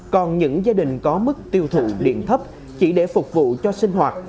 còn những gia đình có mức tiêu thụ điện thấp chỉ để phục vụ cho sinh hoạt